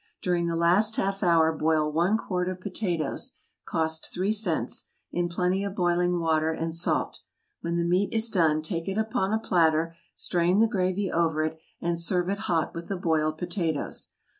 During the last half hour boil one quart of potatoes, (cost three cents,) in plenty of boiling water and salt. When the meat is done take it upon a platter, strain the gravy over it, and serve it hot with the boiled potatoes.